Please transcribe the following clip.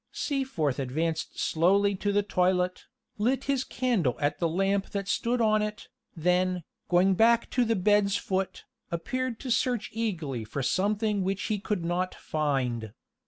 Seaforth advanced slowly to the toilet, lit his candle at the lamp that stood on it, then, going back to the bed's foot, appeared to search eagerly for something which he could not find.